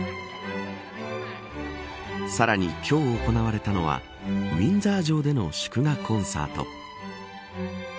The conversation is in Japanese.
さらに、今日行われたのはウィンザー城での祝賀コンサート。